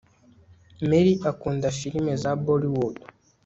Mary akunda firime za Bollywood